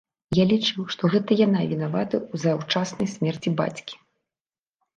Я лічыў, што гэта яна вінаватая ў заўчаснай смерці бацькі.